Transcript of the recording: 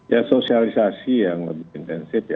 ya sosialisasi yang lebih intensif ya